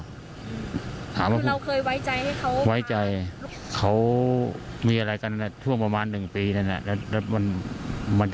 คือเราเคยไว้ใจให้เขาไว้ใจเขามีอะไรกันช่วงประมาณ๑ปีแล้วนะ